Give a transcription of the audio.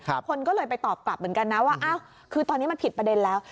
คนก็เลยไปตอบกลับเหมือนกันนะว่าอ้าวคือตอนนี้มันผิดประเด็นแล้ว